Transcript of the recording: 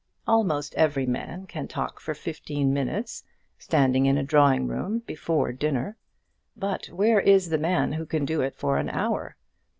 Almost every man can talk for fifteen minutes, standing in a drawing room, before dinner; but where is the man who can do it for an hour?